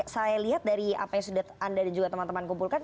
saya lihat dari apa yang sudah anda dan juga teman teman kumpulkan